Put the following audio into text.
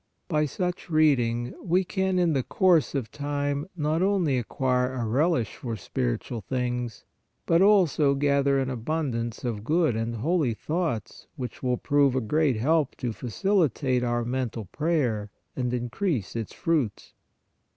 By such reading we can in the course of time not only acquire a relish for spiritual things, but also gather an abundance of good and holy thoughts which will prove a great help to facilitate our mental prayer and increase its fruits.